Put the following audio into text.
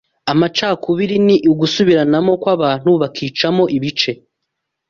Amacakubiri ni Gusubiranamo kw’abantu bakicamo ibice